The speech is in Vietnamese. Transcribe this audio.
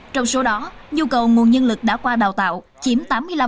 trong số đó nhu cầu nguồn nhân lực đã qua đào tạo chiếm tám mươi năm hai mươi sáu